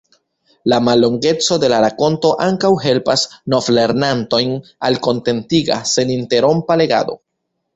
La mallongeco de la rakonto ankaŭ helpas novlernantojn al kontentiga, seninterrompa legado.